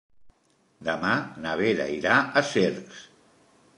Demà na Vera irà a Cercs.